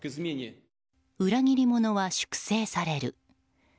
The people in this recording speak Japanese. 裏切り者は粛清される。